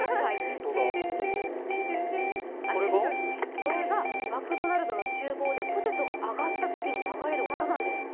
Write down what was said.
これがマクドナルドのちゅう房でポテトが揚がったとき流れる音なんですって。